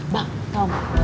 bang tau gak